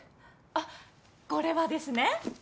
あっこれはですね